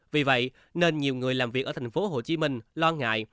vì vậy nên nhiều người làm việc ở thành phố hồ chí minh lo ngại